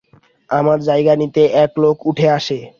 আমার জায়গা নিতে এক লোক উঠে আসে।